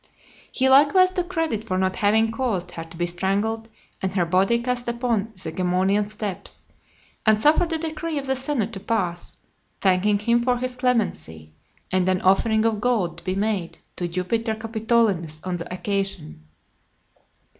He likewise took credit for not having caused her to be strangled and her body cast upon the Gemonian Steps, and suffered a decree of the senate to pass, thanking him for his clemency, and an offering of gold to be made to Jupiter Capitolinus on the occasion.